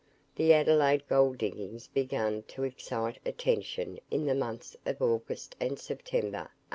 The Adelaide gold diggings began to excite attention in the months of August and September, 1852.